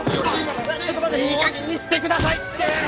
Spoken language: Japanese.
ちょっと待っていい加減にしてくださいって！